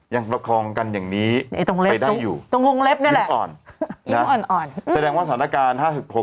ยังประคองกันอย่างนี้ไปได้อยู่อ่ะอ่อนแสดงว่าสถานการณ์๕๐๕๐